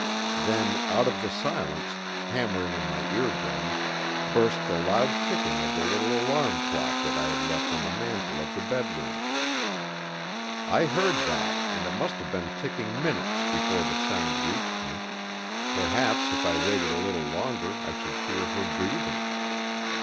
Then, out of the silence, hammering on my eardrums, burst the loud ticking of the little alarm clock that I had left on the mantel of the bedroom. I heard that, and it must have been ticking minutes before the sound reached me; perhaps if I waited a little longer I should hear her breathing.